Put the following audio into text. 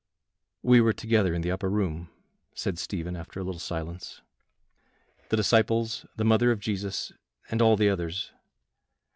"We were together in the upper room," said Stephen, after a little silence, "the disciples, the mother of Jesus, and all the others.